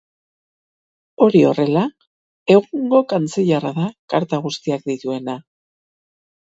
Hori horrela, egungo kantzilerra da karta guztiak dituena.